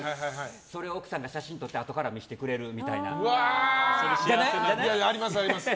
それを奥さんが写真撮ってあとから見せてくれるみたいな。あります、あります。